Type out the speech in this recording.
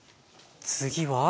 次は。